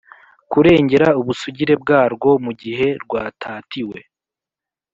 kurengera ubusugire bwarwo mu gihe rwatatiwe